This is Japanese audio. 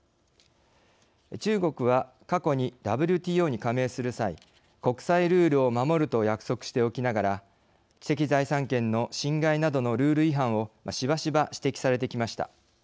中国は過去にＷＴＯに加盟する際国際ルールを守ると約束しておきながら知的財産権の侵害などのルール違反をしばしば指摘されてきました。